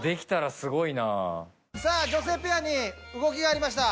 いやこれさあ女性ペアに動きがありました。